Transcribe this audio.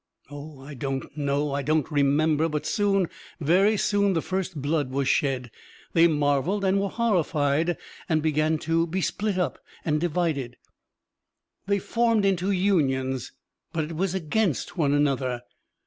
Oh, I don't know, I don't remember; but soon, very soon the first blood was shed. They marvelled and were horrified, and began to be split up and divided. They formed into unions, but it was against one another.